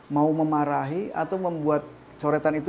mau memarahi atau membuat coretan itu